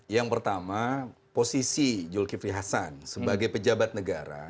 yang pertama posisi julki frihasan sebagai pejabat negara